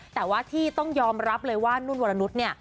แต่ว่าที่ต้องยอมรับเลยว่านุ่นวรนุษย์เนี่ย